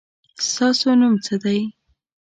ستاسو نوم څه دی ؟